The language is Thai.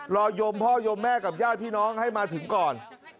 ยมพ่อยมแม่กับญาติพี่น้องให้มาถึงก่อน